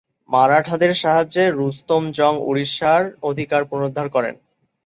মারাঠাদের সাহায্যে রুস্তম জং উড়িষ্যার অধিকার পুনরুদ্ধার করেন।